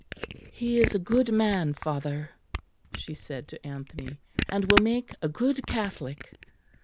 "He is a good man, father," she said to Anthony, "and will make a good Catholic."